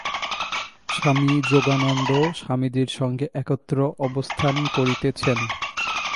স্বামী যোগানন্দও স্বামীজীর সঙ্গে একত্র অবস্থান করিতেছেন।